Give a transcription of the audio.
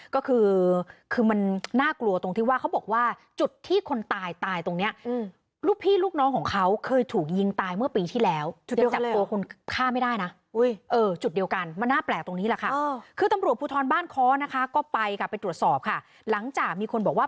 ก็คือคือมันน่ากลัวตรงที่ว่าเขาบอกว่า